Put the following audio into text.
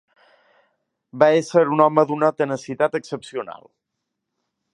Va ésser un home d'una tenacitat excepcional.